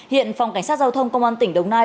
hiện phòng cảnh sát giao thông công an tỉnh đồng nai